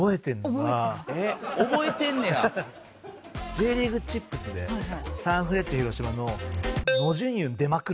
Ｊリーグチップスでサンフレッチェ広島の盧廷潤出まくるっていう。